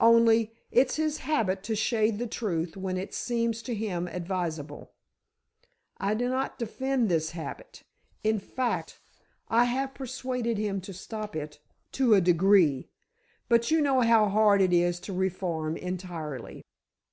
Only, it's his habit to shade the truth when it seems to him advisable. I do not defend this habit; in fact, I have persuaded him to stop it, to a degree. But you know how hard it is to reform entirely."